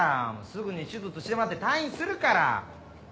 すぐに手術してもらって退院するから！